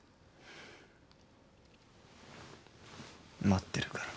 待ってるから。